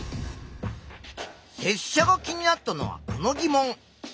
せっしゃが気になったのはこの疑問。